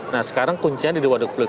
nah sekarang kuncinya di waduk